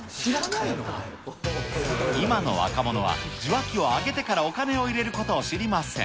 今の若者は、受話器を上げてからお金を入れることを知りません。